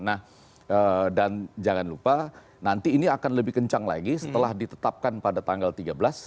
nah dan jangan lupa nanti ini akan lebih kencang lagi setelah ditetapkan pada tanggal tiga belas